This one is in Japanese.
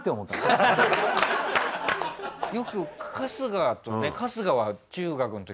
よく春日とね。